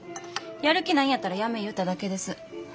やる気ないんやったらやめえ言うただけです。